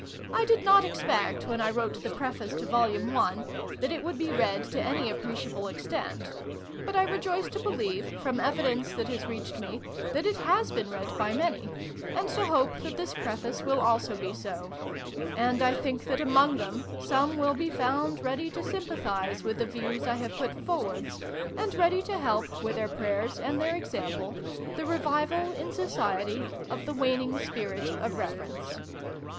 I did not expect, when I wrote the Preface to Vol. I, that it would be read to any appreciable ex tent : but I rejoice to believe, from evidence that has reached me, that it has been read by many, and to hope that this Preface will also be so : and I think that, among them, some will be found ready to sympathise with the views I have put forwards, and ready to help, with their prayers and their example, the revival, in Society, of the waning spirit of reverence.